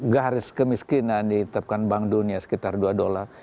garis kemiskinan dihitungkan bank dunia sekitar dua dolar